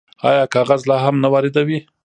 آیا کاغذ لا هم نه واردوي؟